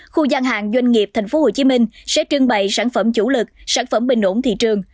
khu gian hàng doanh nghiệp tp hcm sẽ trưng bày sản phẩm chủ lực sản phẩm bình ổn thị trường